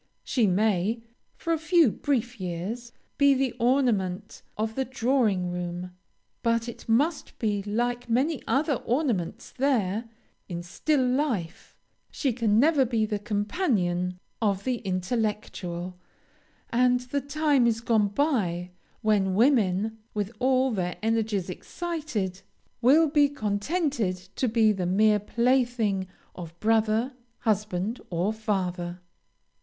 She may, for a few brief years, be the ornament of the drawing room; but it must be, like many other ornaments there, in still life; she can never be the companion of the intellectual; and the time is gone by, when women, with all their energies excited, will be contented to be the mere plaything of brother, husband, or father.